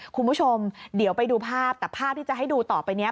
คุณผู้ชมเดี๋ยวไปดูภาพแต่ภาพที่จะให้ดูต่อไปนี้